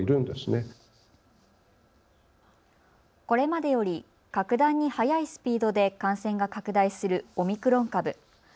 これまでより格段に速いスピードで感染が拡大するオミクロン株。